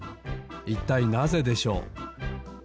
いったいなぜでしょう？